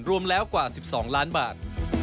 รวมแล้วกว่า๑๒ล้านบาท